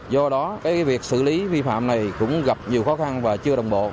do đó việc xử lý vi phạm này cũng gặp nhiều khó khăn và chưa đồng bộ